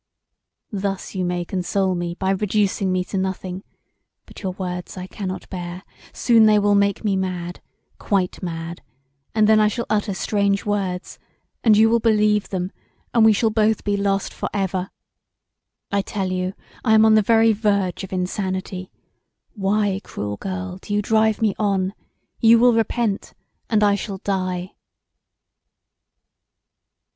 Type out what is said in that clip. Thus you may console me by reducing me to nothing but your words I cannot bear; soon they will make me mad, quite mad, and then I shall utter strange words, and you will believe them, and we shall be both lost for ever. I tell you I am on the very verge of insanity; why, cruel girl, do you drive me on: you will repent and I shall die."